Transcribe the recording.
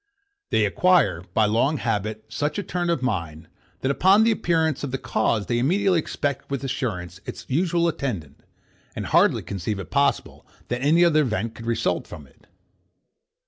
They acquire, by long habit, such a turn of mind, that, upon the appearance of the cause, they immediately expect with assurance its usual attendant, and hardly conceive it possible that any other event could result from it.